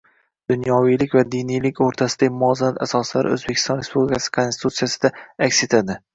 Dunyoviylik va diniylik oʻrtasidagi muvozanat asoslari Oʻzbekiston Respublikasi Konstitutsiyasida aks etdi.